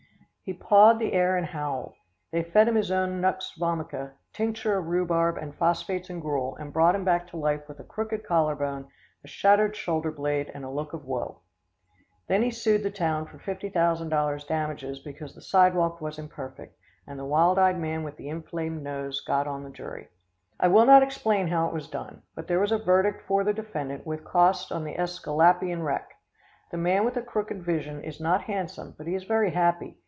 He pawed the air and howled. They fed him his own nux vomica, tincture of rhubarb and phosphates and gruel, and brought him back to life with a crooked collar bone, a shattered shoulder blade and a look of woe. Then he sued the town for $50,000 damages because the sidewalk was imperfect, and the wild eyed man with the inflamed nose got on the jury. I will not explain how it was done, but there was a verdict for defendant with costs on the Esculapian wreck. The man with the crooked vision is not handsome, but he is very happy.